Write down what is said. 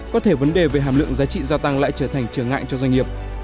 có thể vấn đề về hàm lượng giá trị gia tăng lại trở thành trở ngại cho doanh nghiệp